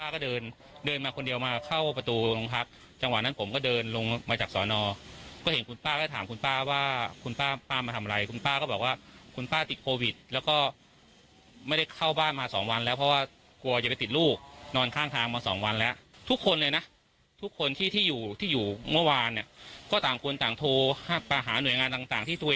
ก็เดินเดินมาคนเดียวมาเข้าประตูโรงพักจังหวะนั้นผมก็เดินลงมาจากสอนอก็เห็นคุณป้าก็ถามคุณป้าว่าคุณป้าป้ามาทำอะไรคุณป้าก็บอกว่าคุณป้าติดโควิดแล้วก็ไม่ได้เข้าบ้านมาสองวันแล้วเพราะว่ากลัวจะไปติดลูกนอนข้างทางมาสองวันแล้วทุกคนเลยนะทุกคนที่ที่อยู่ที่อยู่เมื่อวานเนี่ยก็ต่างคนต่างโทรมาหาหน่วยงานต่างที่ตัว